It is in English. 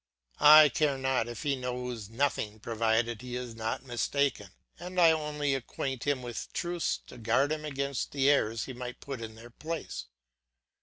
I care not if he knows nothing provided he is not mistaken, and I only acquaint him with truths to guard him against the errors he might put in their place.